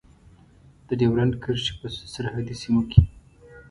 د ډیورند کرښې په سرحدي سیمو کې.